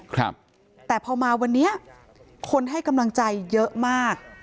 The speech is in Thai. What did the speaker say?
ครับแต่พอมาวันนี้คนให้กำลังใจเยอะมาก